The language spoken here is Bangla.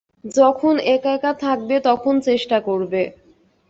যখন এক-একা থাকবে তখন চেষ্টা করবে।